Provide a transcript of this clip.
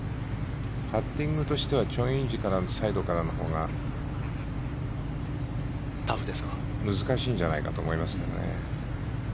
パッティングとしてはチョン・インジのサイドからのほうが難しいんじゃないかと思いますけどね。